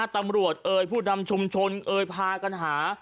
ตำรวจเอ่ยผู้ดำชุมชนเอ่ยพากันหา